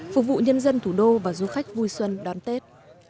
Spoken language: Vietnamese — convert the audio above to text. phục vụ nhân dân thủ đô và du khách vui xuân đón tết